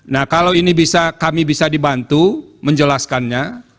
nah kalau ini bisa kami bisa dibantu menjelaskannya